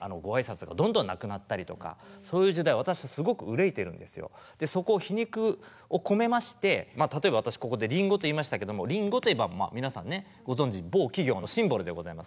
なるほどだから例えば私ここで「りんご」と言いましたけどもりんごといえば皆さんご存じ某企業のシンボルでございます。